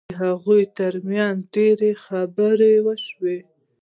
د هغوی ترمنځ ډېرې خبرې وشوې